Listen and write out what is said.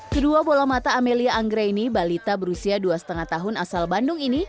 kedua bola mata amelia anggreni balita berusia dua lima tahun asal bandung ini